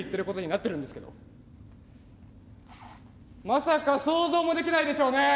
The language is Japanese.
まさか想像もできないでしょうねえ。